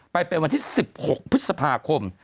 ไปเป็นวันที่๑๖พฤษภาคม